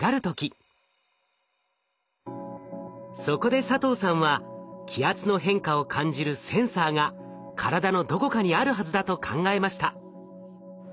そこで佐藤さんは気圧の変化を感じるセンサーが体のどこかにあるはずだと考えました。